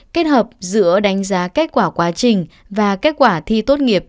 kết hợp giữa đánh giá kết quả quá trình và kết quả thi tốt nghiệp